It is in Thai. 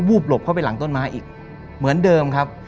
บหลบเข้าไปหลังต้นไม้อีกเหมือนเดิมครับ